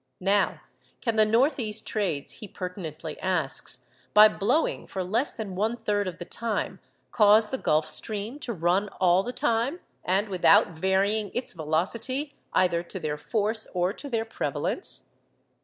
Now, can the north east trades,' he pertinently asks, 'by blowing for less than one third of the time, cause the Gulf Stream to run all the time, and without varying its velocity either to their force or to their prevalence?